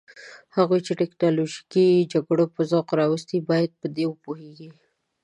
هغوی چې د تکنالوژیکي جګړو په ذوق راوستي باید په دې وپوهیږي.